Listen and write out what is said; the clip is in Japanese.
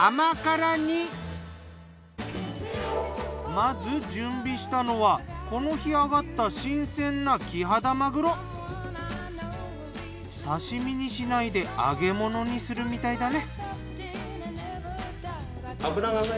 まず準備したのはこの日揚がった新鮮な刺身にしないで揚げ物にするみたいだね。